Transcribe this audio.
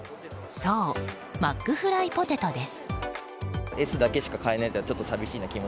そう、マックフライポテトです。